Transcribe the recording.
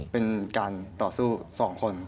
เป็นการต่อสู้๒คน